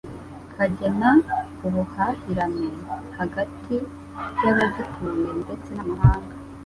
kagena ubuhahirane hagati y'abagituye ndetse n'amahanga.